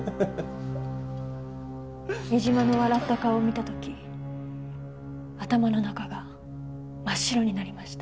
江島の笑った顔を見た時頭の中が真っ白になりました。